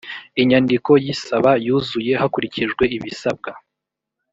inyandiko y’isaba yuzuye hakurikijwe ibisabwa